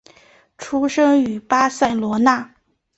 出生于巴塞罗那。